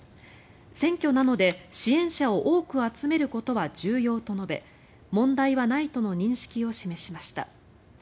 「選挙なので支援者を多く集めることは重要」と述べ問題はないとの認識を示しました。